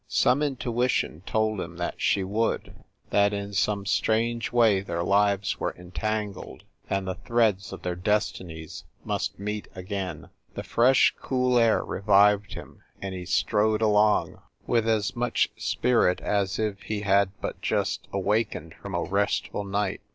Some in tuition told him that she would that, in some 296 A HARLEM LODGING HOUSE 297 strange way their lives were entangled, and the threads of their destinies must meet again. The fresh, cool air revived him and he strode along with as much spirit as if he had but just awakened from a restful night.